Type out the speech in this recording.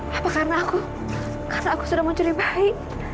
hai apa karena aku aku sudah mencuri bayi